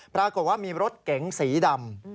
ปรากฏว่ามีรถเก๋งสีดำ